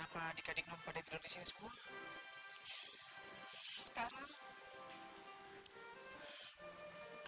pak katerakan ya kak